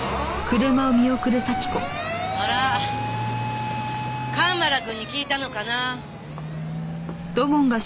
あら蒲原くんに聞いたのかな。